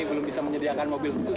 belum bisa menyediakan mobil khusus